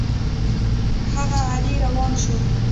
هغه غلی روان شو.